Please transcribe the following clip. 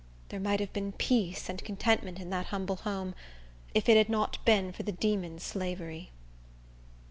There might have been peace and contentment in that humble home if it had not been for the demon Slavery.